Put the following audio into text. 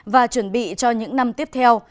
và chuẩn bị cho những năm tiếp theo